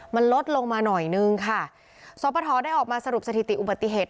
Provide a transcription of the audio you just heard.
มันลดลงมาหน่อยนึงค่ะสปทได้ออกมาสรุปสถิติอุบัติเหตุ